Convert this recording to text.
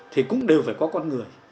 thì cũng đều phải có con người